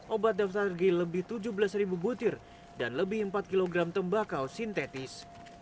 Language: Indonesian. obat daftar tergil lebih tujuh belas ribu butir dan lebih empat kilogram tembakau sintetis